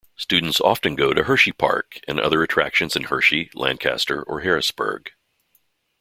Students often go to Hersheypark and other attractions in Hershey, Lancaster or Harrisburg.